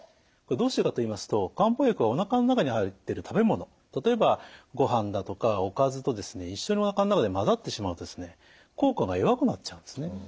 どうしてかと言いますと漢方薬はおなかの中に入ってる食べ物例えばごはんだとかおかずと一緒におなかの中で混ざってしまうと効果が弱くなっちゃうんですね。